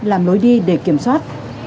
làm lối đi để kiểm soát